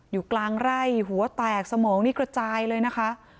อยู่กลางไร่หัวแตกสมองนี่กระจายเลยนะคะ